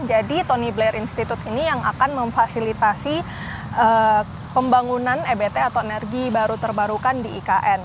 jadi tony blair institute ini yang akan memfasilitasi pembangunan ebt atau energi baru terbarukan di ikn